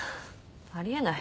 あり得ない。